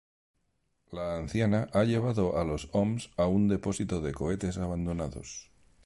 La anciana ha llevado a los Oms a un depósito de cohetes abandonados.